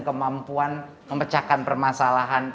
kemampuan memecahkan permasalahan